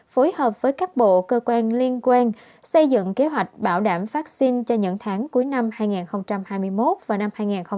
phối hợp với các bộ cơ quan liên quan xây dựng kế hoạch bảo đảm phát sinh cho những tháng cuối năm hai nghìn hai mươi một và năm hai nghìn hai mươi bốn